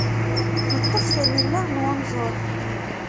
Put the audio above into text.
Neṭṭef tanila n wenẓul.